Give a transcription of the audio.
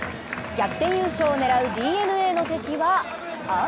逆転優勝を狙うＤｅＮＡの敵は雨？